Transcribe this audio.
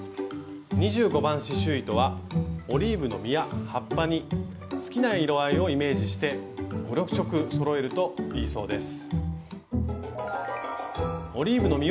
２５番刺しゅう糸はオリーブの実や葉っぱに好きな色合いをイメージして５６色そろえるといいそうです。